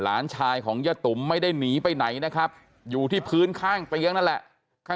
หลานชายของยะตุ๋มไม่ได้หนีไปไหนนะครับอยู่ที่พื้นข้างเตียงนั่นแหละ